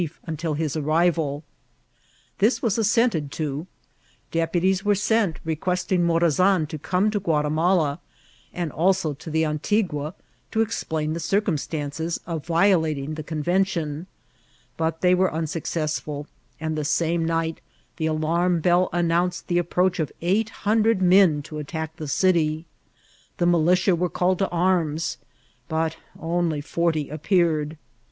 '82t ehkf until liis amraL This was assented ta Depnties were sent requesting Morann to oome to Ghia^ timala, and ako to the Antigua, to explain the ciioum stanoes of Tiolating the convention ; but they were un^ successful, and the same night the alarm bell announced the approach of eight hundred men to attack the eitj* The militia were called to arms, but only about forty appeared.